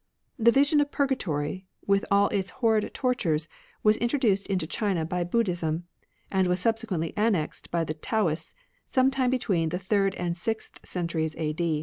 The vision of Purgatory, with all its horrid tortures, was introduced into China by Budd hism, and was subsequently annexed by the Taoists, some time between the third and sixth centuries a.